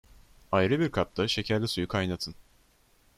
Ayrı bir kapta şekerli suyu kaynatın.